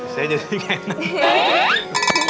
saya jadi kayak enak